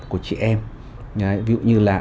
của chị em ví dụ như là